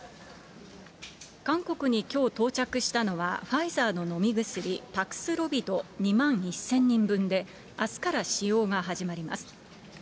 韓国にきょう到着したのは、ファイザーの飲み薬、パクスロビド２万１０００人分で、あすから使用が始まります。